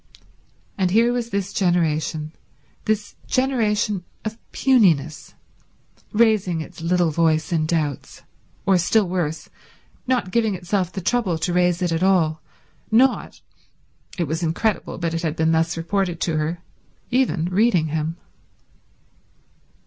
And here was this generation, this generation of puniness, raising its little voice in doubts, or, still worse, not giving itself the trouble to raise it at all, not—it was incredible, but it had been thus reported to her—even reading him.